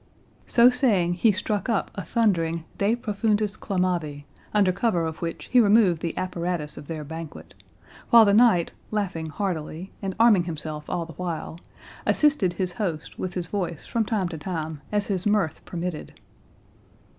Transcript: So saying, he struck up a thundering "De profundis clamavi", under cover of which he removed the apparatus of their banquet: while the knight, laughing heartily, and arming himself all the while, assisted his host with his voice from time to time as his mirth permitted.